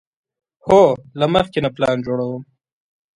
هو، له مخکې نه پلان جوړوم